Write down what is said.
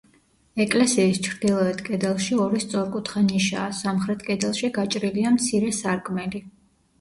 ეკლესიის ჩრდილოეთ კედელში ორი სწორკუთხა ნიშაა, სამხრეთ კედელში გაჭრილია მცირე სარკმელი.